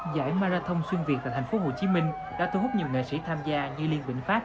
giải marathon xuyên việt tại tp hcm đã thu hút nhiều nghệ sĩ tham gia như liên vĩnh pháp